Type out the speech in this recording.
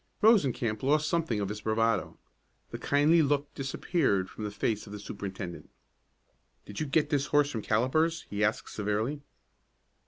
Rosencamp lost something of his bravado. The kindly look disappeared from the face of the superintendent. "Did you get this horse from Callipers?" he asked severely.